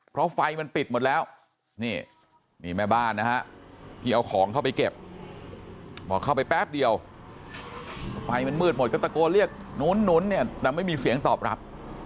เพราะไฟมันปิดหมดแล้วนี่นี่แม่บ้านนะฮะที่เอาของเข้าไปเก็บบอกเข้าไปแป๊บเดียวไฟมันมืดหมดก็ตะโกนเรียกนู้นเนี่ยแต่ไม่มีเสียงตอบรับ